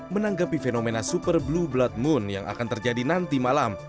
menanggapi fenomena super blue blood moon yang akan terjadi nanti malam